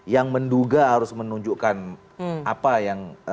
yang menduga harus menunjukkan apa yang